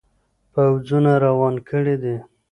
پوځونه روان کړي دي.